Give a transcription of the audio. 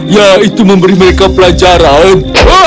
ya itu memberi mereka pelajaran